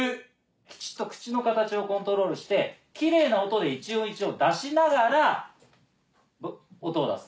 きちっと口の形をコントロールしてキレイな音で一音一音出しながら音を出す。